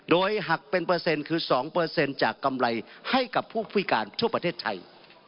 โดยหักเป็นเปอร์เซ็นต์คือ๒จากกำไรให้กับผู้พิการทั่วประเทศไทย